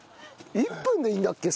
１分でいいんだっけ？